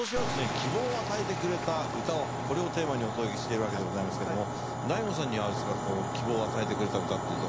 希望を与えてくれた歌はこれをテーマにお届けしているわけでございますけどもＤＡＩＧＯさんにはあれですか希望を与えてくれた歌っていうと。